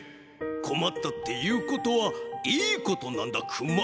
「こまった」っていうことはいいことなんだクマ。